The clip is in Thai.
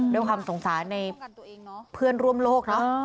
ด้วยความสงสารในเพื่อนร่วมโลกเนอะ